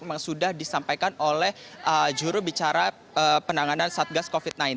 memang sudah disampaikan oleh jurubicara penanganan satgas covid sembilan belas